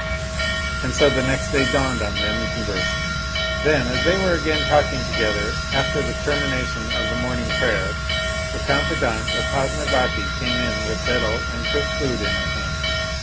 And so the day dawned on them conversing. I20 A Tale of a Demon Then, as they were again talking together after the ter mination of the morning prayer, the confidante of Padmi vati came in with betel and cooked food in her hand.